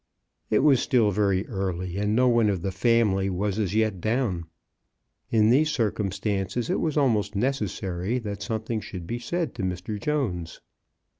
It was still very early, and no one of the family was as yet down. In these circumstances it was almost necessary that something should be said to Mr. Jones.